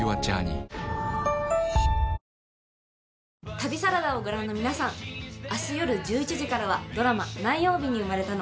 旅サラダをご覧の皆さん、あす夜１１時からはドラマ「何曜日に生まれたの」。